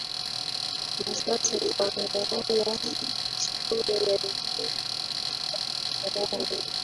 Na sasa tuangalie historia ya Vyombo vya habari